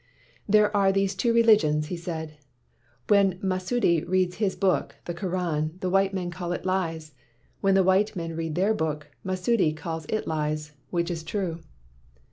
''' There are these two religions, ' he said. 'When Masudi reads his book, the Koran, the white men call it lies; when the white men read their book, Masudi calls it lies. "Which is true?'